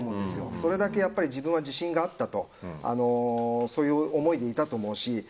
それだけ自分は自信があったという思いでいたと思うし。